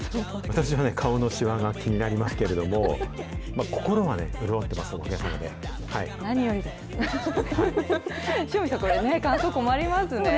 私ね、顔のしわが気になりますけれども、心はね、潤ってますので。